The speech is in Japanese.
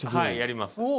はいやります。